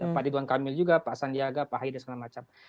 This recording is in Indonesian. pak didwan kamil juga pak sandiaga pak haidah segala macam